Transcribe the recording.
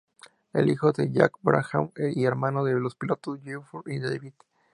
Es hijo de Jack Brabham y hermano de los pilotos Geoff y David.